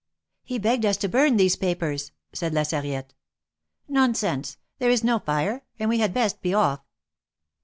^^He begged us to burn these papers," said La Sarriette. Nonsense] There is no fire, and we had best be off."